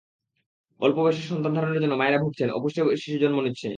অল্প বয়সে সন্তান ধারণের জন্য মায়েরা ভুগছেন, অপুষ্ট শিশু জন্ম নিচ্ছে।